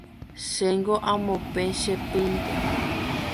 Chéngo amopẽ che pýnte.